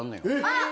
あっ！